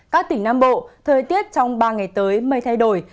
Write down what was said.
các tỉnh nam bộ thời tiết trong ba ngày tới mây thay đổi